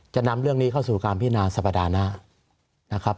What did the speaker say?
จะนำเรื่องนี้เข้าสู่กรรมพินาศพดานะ